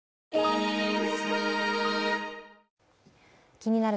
「気になる！